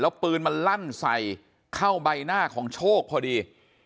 แล้วปืนมันลั่นใส่เข้าใบหน้าของโชคพอดี